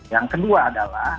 yang kedua adalah